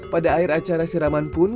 pada akhir acara siraman pun